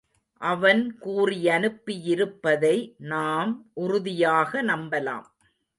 அவன் கூறியனுப்பியிருப்பதை நாம் உறுதியாக நம்பலாம்.